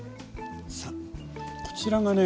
さあこちらがね